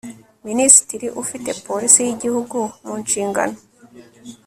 minisitiri ufite polisi y'igihugu mu nshingano